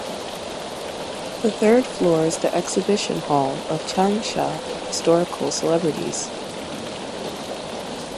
The third floor is the exhibition hall of Changsha historical celebrities.